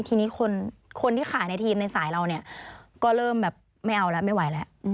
ทีนี้คนที่ขายในทีมในสายเราเนี่ยก็เริ่มแบบไม่เอาแล้วไม่ไหวแล้ว